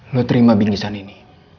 lo terima bingki sani ini